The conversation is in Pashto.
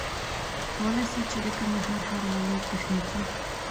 کولای سي چي د کندهار ښاروالۍ تخنيکي